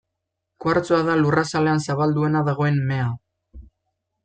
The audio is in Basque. Kuartzoa da lurrazalean zabalduena dagoen mea.